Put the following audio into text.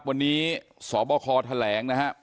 วันนี้สบคแถลงนะครับ